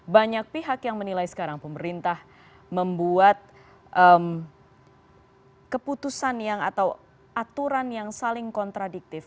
banyak pihak yang menilai sekarang pemerintah membuat keputusan yang atau aturan yang saling kontradiktif